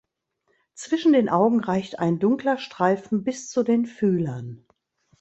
Zwischen den Augen reicht ein dunkler Streifen bis zu den Fühlern.